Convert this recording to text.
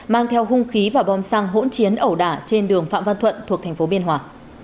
mang theo hung khí và bom xăng hỗn chiến ẩu đả trên đường phạm văn thuận thuộc thành phố biên hòa